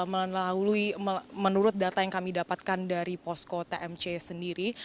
melalui menurut data yang kami dapatkan dari posko tmc sendiri